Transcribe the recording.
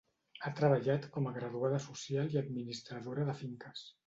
Ha treballat com a graduada social i administradora de finques.